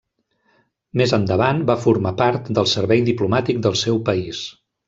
Més endavant va formar part del servei diplomàtic del seu país.